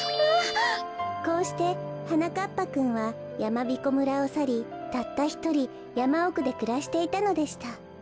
こうしてはなかっぱくんはやまびこ村をさりたったひとりやまおくでくらしていたのでした。